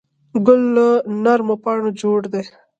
ګل له نرمو پاڼو جوړ دی.